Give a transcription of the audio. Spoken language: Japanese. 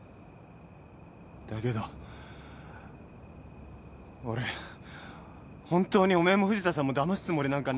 だけど俺本当におめえも藤田さんもだますつもりなんか。